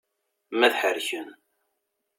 Ma ad ḥerken.